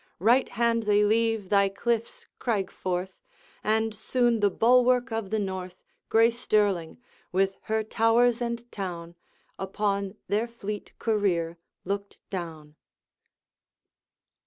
Right hand they leave thy cliffs, Craig Forth! And soon the bulwark of the North, Gray Stirling, with her towers and town, Upon their fleet career looked clown.